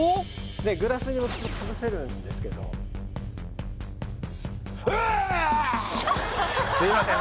グラスにもかぶせるんですけどすいません